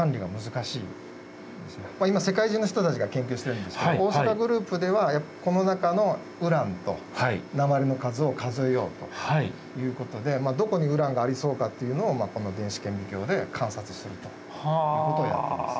今世界中の人たちが研究してるんですけど大阪グループではこの中のウランと鉛の数を数えようということでどこにウランがありそうかっていうのをこの電子顕微鏡で観察するということをやっています。